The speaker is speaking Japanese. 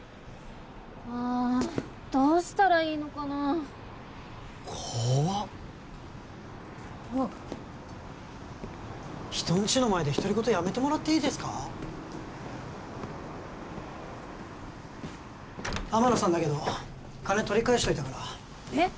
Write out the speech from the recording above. ああっどうしたらいいのかな怖っあっ人んちの前で独り言やめてもらっていいですか天野さんだけど金取り返しといたからえっ！？